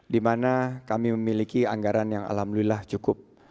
dimana kami memiliki anggaran yang alhamdulillah cukup